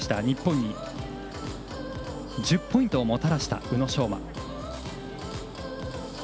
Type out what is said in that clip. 日本に１０ポイントをもたらした宇野昌磨。